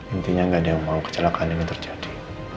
intinya nggak ada yang mau kecelakaan ini terjadi